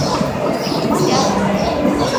— Мыят.